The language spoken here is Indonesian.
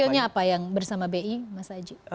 hasilnya apa yang bersama bi mas aji